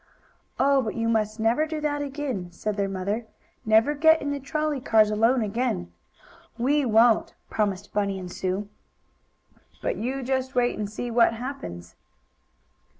"Oh, but you must never do that again!" said their mother. "Never get in the trolley cars alone again!" "We won't!" promised Bunny and Sue. But you just wait and see what happens.